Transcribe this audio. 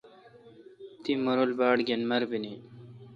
تی مہ رل باڑ گین مربینی۔